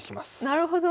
なるほど。